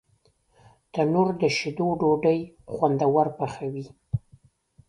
تنور د شیدو ډوډۍ خوندور پخوي